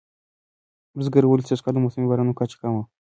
بزګر وویل چې سږکال د موسمي بارانونو کچه کمه وه.